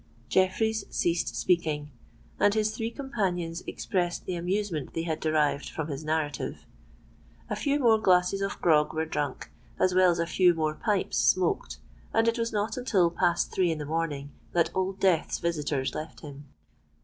Jeffreys ceased speaking; and his three companions expressed the amusement they had derived from his narrative. A few more glasses of grog were drunk, as well as a few more pipes smoked; and it was not until past three in the morning that Old Death's visitors left him.